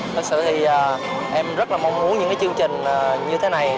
thật sự thì em rất là mong muốn những cái chương trình như thế này